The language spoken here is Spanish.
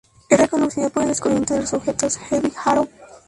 Es reconocido por el descubrimiento de los objetos Herbig-Haro.